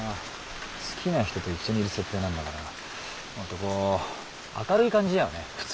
好きな人と一緒にいる設定なんだからもっとこう明るい感じだよね普通。